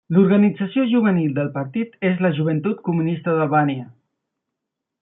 L'organització juvenil del partit és la Joventut Comunista d'Albània.